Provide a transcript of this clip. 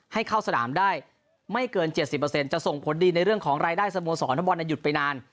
ให้เข้าสนามได้ไม่เกินเจ็ดสิบเปอร์เซ็นต์จะส่งผลดีในเรื่องของรายได้สมสอบทวนในหยุดไปนาน